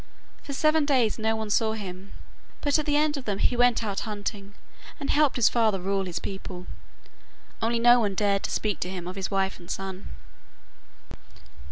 For seven days no one saw him, but at the end of them he went out hunting, and helped his father rule his people. Only no one dared to speak to him of his wife and son.